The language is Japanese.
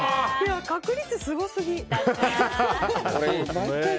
確率すごすぎ！